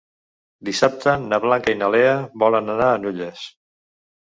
Dissabte na Blanca i na Lea volen anar a Nulles.